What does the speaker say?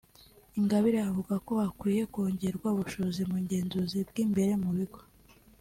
Ingabire avuga ko hakwiye kongerwa ubushobozi mu bugenzuzi bw’imbere mu bigo